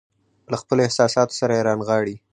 له خپلو احساساتو سره يې رانغاړي.